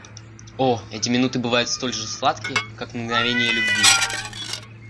О, эти минуты бывают столь же сладки, как мгновения любви!